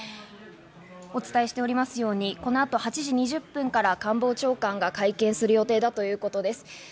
お伝えしておりますように、この後８時２０分から官房長官が会見する予定だということです。